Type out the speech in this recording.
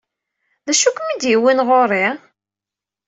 D acu ay kem-id-yewwin ɣer-i?